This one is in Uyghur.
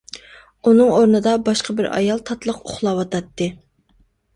ئۇنىڭ ئورنىدا باشقا بىر ئايال تاتلىق ئۇخلاۋاتاتتى.